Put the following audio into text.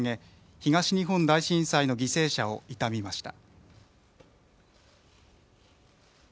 東日本大震災の犠牲者を悼みました。